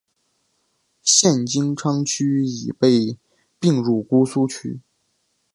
现金阊区已被并入姑苏区。